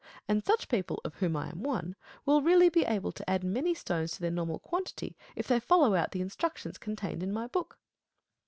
And such people, of whom I am one, will really be able to add many stones to their normal quantity, if they follow out the instructions con tained in my book.